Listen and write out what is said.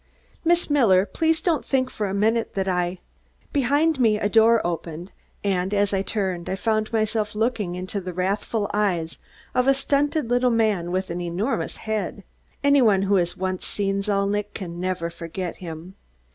"Miss Miller, please don't think for a minute that I " Behind me a door opened and, as I turned, I found myself looking into the wrathful eyes of a stunted little man with an enormous head. Any one who has once seen Zalnitch can never forget him.